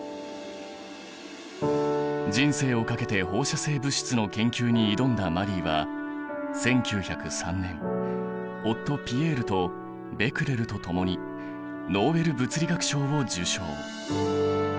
人生を懸けて放射性物質の研究に挑んだマリーは１９０３年夫・ピエールとベクレルとともにノーベル物理学賞を受賞。